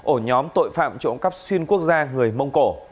ổ nhóm tội phạm trộm cắp xuyên quốc gia người mông cổ